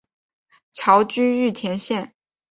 侨居玉田县。